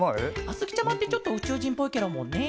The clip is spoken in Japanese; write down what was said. あづきちゃまってちょっとうちゅうじんっぽいケロもんね。